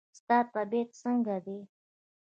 ستا طبیعت څنګه دی؟